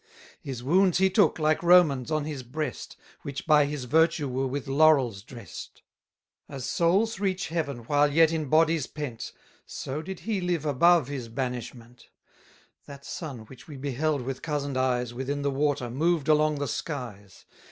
His wounds he took, like Romans, on his breast, Which by his virtue were with laurels drest. As souls reach Heaven while yet in bodies pent, So did he live above his banishment. 60 That sun, which we beheld with cozen'd eyes Within the water, moved along the skies.